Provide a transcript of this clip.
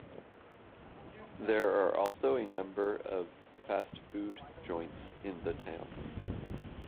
There are also a number of fast-food joints in the town.